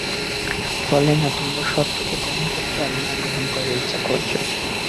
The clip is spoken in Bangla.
ফলে না তোমরা সত্যকে গ্রহণ করছ আর না গ্রহণ করার ইচ্ছা করছ।